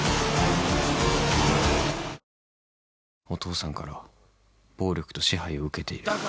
「お父さんから暴力と支配を受けている」